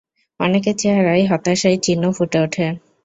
অনেকের চেহারায় হতাশার চিহ্ন ফুটে ওঠে।